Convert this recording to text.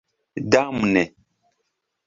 Damne.